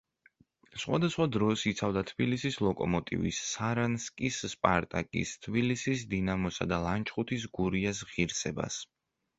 სხვადასხვა დროს იცავდა თბილისის „ლოკომოტივის“, სარანსკის „სპარტაკის“, თბილისის „დინამოსა“ და ლანჩხუთის „გურიას“ ღირსებას.